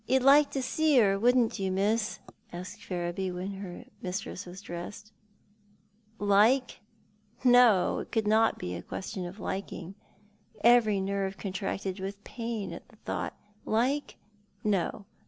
" You'd like to see her, wouldn't you, miss ?" asked Ferriby, when her mistress was dressed. Like ! No, it could not be a question of liking. Every nerve contracted with pain at the thought. Like, no.